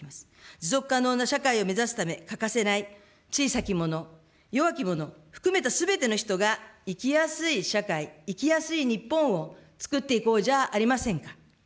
持続可能な社会を目指すため欠かせない小さき者、弱き者含めたすべての人が生きやすい社会、生きやすい日本をつくっていこうじゃありませんか。